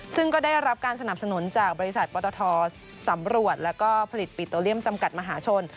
ซึ่งก็ได้รับการสนับสนุนจากบริษัทปตทสำรวจแล้วก็ผลิตปิโตเลียมจำกัดมหาชน